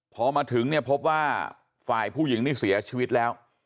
พอมาถึงเนี่ยพบว่าฝ่ายผู้หญิงนี่เสียชีวิตแล้ว